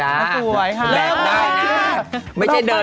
แล้วตัวมันเก๋ร์ร